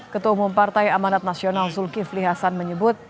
ketua umum partai amanat nasional zulkifli hasan menyebut